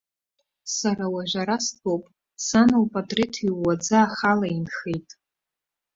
Сара уажәы ара стәоуп, сан лпатреҭ иууаӡа ахала инхеит.